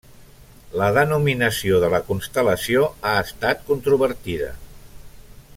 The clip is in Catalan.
La denominació de la constel·lació ha estat controvertida.